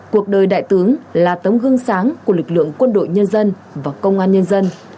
cuộc đời đại tướng là tấm gương sáng của lực lượng quân đội nhân dân và công an nhân dân